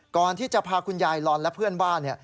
ก่อนที่จะพาคุณยายลอนและเพื่อนบ้าน